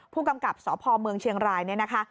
ผู้กำกับสพเมืองเชียงรายเนี่ยนะคะ